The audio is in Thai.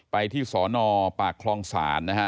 ไปที่สนปากคลองศาลนะฮะ